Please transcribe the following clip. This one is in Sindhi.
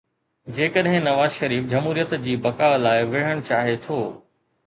جيڪڏهن نواز شريف جمهوريت جي بقاءَ لاءِ وڙهڻ چاهي ٿو.